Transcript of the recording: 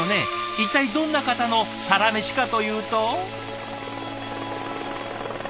一体どんな方のサラメシかというと。